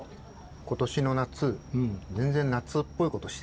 今年の夏全然夏っぽいことしてないんですよ。